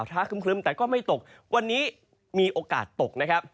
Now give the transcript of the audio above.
ท้าครึ้มแต่ก็ไม่ตกวันนี้มีโอกาสตกนะครับ